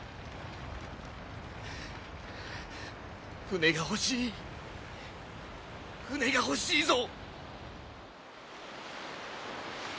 船が欲しい船が欲しいぞ！